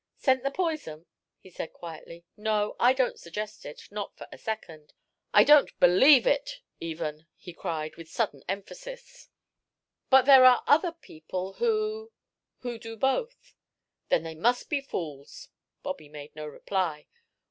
"Sent the poison?" he said, quietly. "No, I don't suggest it not for a second; I don't believe it, even," he cried, with sudden emphasis, "but there are other people who who do both." "Then they must be fools." Bobby made no reply.